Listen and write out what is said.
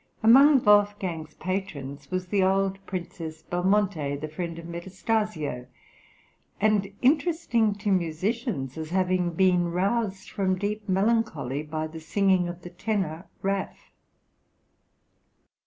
Among Wolfgang's patrons was the old Princess Belmonte, the friend of Metastasio, and interesting to musicians as having been roused from deep melancholy by the singing of the tenor Raff.